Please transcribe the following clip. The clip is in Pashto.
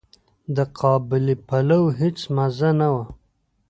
د قابلي پلو هيڅ مزه نه وه.